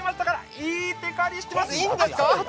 いいんですか？